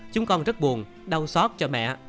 chúng con rất buồn đau xót cho mẹ